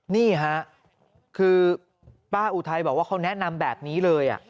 นี่ค่ะคือป้าอุทัยบอกว่าเขาแนะนำแบบนี้เลย